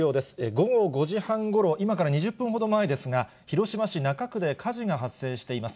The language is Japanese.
午後５時半ごろ、今から２０分ほど前ですが、広島市中区で火事が発生しています。